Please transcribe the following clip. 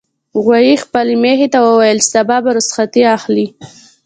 غویي خپلې میښې ته وویل چې سبا به رخصتي اخلي.